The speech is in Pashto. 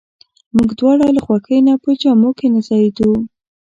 موږ دواړه له خوښۍ نه په جامو کې نه ځایېدو.